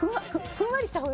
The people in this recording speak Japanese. ふんわりした方が。